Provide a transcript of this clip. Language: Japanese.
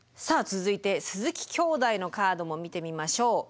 続いて鈴木きょうだいのカードも見てみましょう。